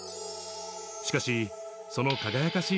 しかしその輝かしい